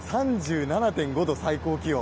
３７．５度、最高気温。